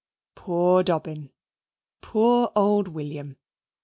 Poor Dobbin; poor old William!